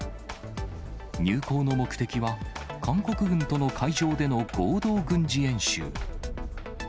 入港の目的は、韓国軍との海上での合同軍事演習。